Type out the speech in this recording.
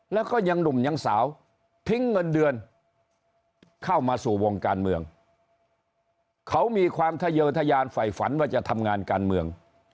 แล้วก็ยังหนุ่มยังสาวทิ้งเงินเดือนเข้ามาสู่วงการเมืองเขามีความทะเยอทยานฝ่ายฝันว่าจะทำงานการเมือง